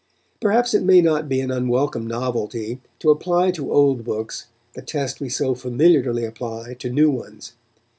Perhaps it may not be an unwelcome novelty to apply to old books the test we so familiarly apply to new ones.